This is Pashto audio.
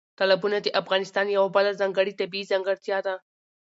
تالابونه د افغانستان یوه بله ځانګړې طبیعي ځانګړتیا ده.